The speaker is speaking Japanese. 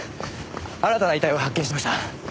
新たな遺体を発見しました。